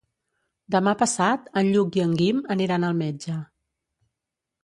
Demà passat en Lluc i en Guim aniran al metge.